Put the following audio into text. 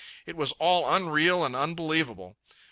It was all unreal and unbelievable.